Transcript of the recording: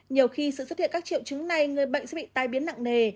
nhiều khi sự xuất hiện các triệu chứng này người bệnh sẽ bị tai biến nặng nề